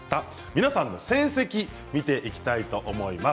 皆さんの成績を見ていきたいと思います。